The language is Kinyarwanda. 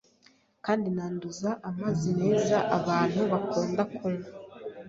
Kandi nanduza amazi meza abantu bakunda kunywa